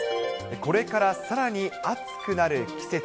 これからさらに暑くなる季節。